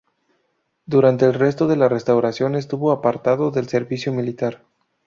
Durante el resto de la Restauración estuvo apartado del servicio militar.